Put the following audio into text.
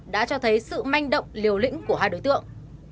đã cho thấy sự manh động liều lĩnh của hai đối tượng